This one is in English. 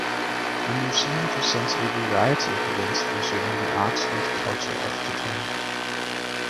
The Museum presents a variety of events concerning the arts and culture of Japan.